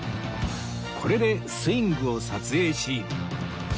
これでスイングを撮影し